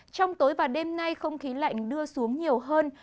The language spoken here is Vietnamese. trong tối và đêm nay không khí lạnh đưa xuống nhiều hơn